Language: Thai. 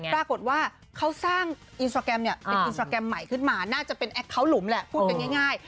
ปรากฏว่าเขาสร้างอินสตราแกรมเนี่ยเป็นอินสตราแกรมใหม่ขึ้นมาน่าจะเป็นแอคเคาน์หลุมแหละพูดกันง่าย